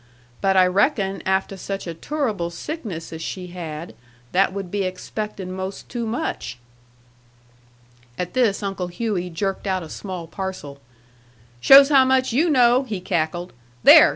But I reckon afteh such a turrable sickness as she had, that would be expectin' most too much." At this Uncle Hughey jerked out a small parcel. "Shows how much you know!" he cackled. "There!